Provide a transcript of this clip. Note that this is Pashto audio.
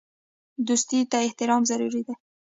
دوستۍ ته احترام ضروري دی.